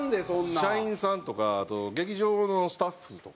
社員さんとかあと劇場のスタッフとか。